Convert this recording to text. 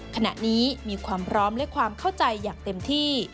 ขณะนี้มีความพร้อมและความเข้าใจอย่างเต็มที่